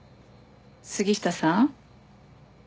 杉下さん。